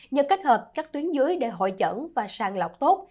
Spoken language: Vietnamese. nhờ kết hợp các tuyến dưới để hội chẩn và sàng lọc tốt